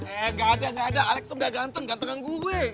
eh gak ada gak ada alex tuh gak ganteng ganteng kan gue